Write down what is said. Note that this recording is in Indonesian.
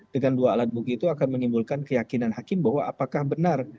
dengan dua alat bukti itu akan menimbulkan keyakinan hakim bahwa apakah benar